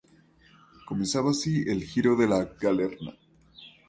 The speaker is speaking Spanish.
Comenzaba así el Giro de la Galerna.